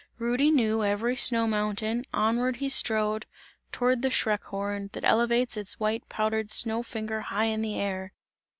Rudy knew every snow mountain, onward he strode towards the Schreckhorn, that elevates its white powdered snow finger high in the air.